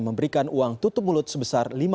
memberikan uang tutup mulut sebesar